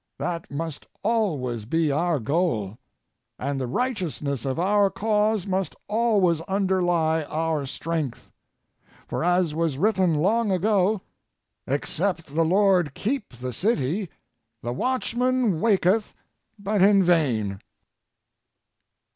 That must always be our goal, and the righteousness of our cause must always underlie our strength. For as was written long ago: "except the Lord keep the city, the watchman waketh but in vain."